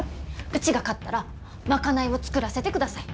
うちが勝ったら賄いを作らせてください！